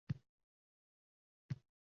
“Ekokerama” mahsulotlari importni kamaytiradi